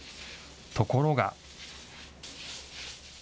ところが。